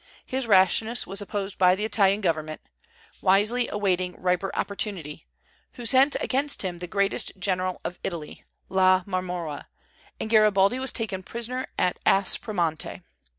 His rashness was opposed by the Italian government, wisely awaiting riper opportunity, who sent against him the greatest general of Italy (La Marmora), and Garibaldi was taken prisoner at Aspromonte.